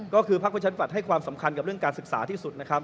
ก็คือพักประชันฝัดให้ความสำคัญกับเรื่องการศึกษาที่สุด